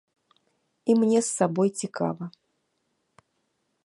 І мне з сабой цікава.